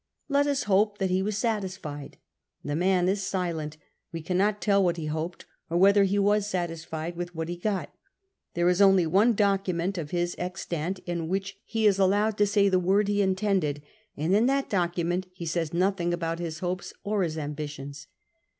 Let us hope that he was satisfied. The man is silent ; we cannot toll what he hoped, or whether he was satisfied with what he got ; there is only one document of his extant in which he is allowed to say the word he intended, and in that docu ment he says nothing about his hopes or his ambitions.